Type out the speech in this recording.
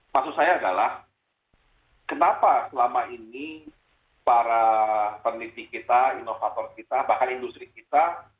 maksud saya adalah kenapa selama ini para peneliti kita inovator kita bahkan industri kita